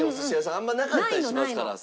あんまりなかったりしますから。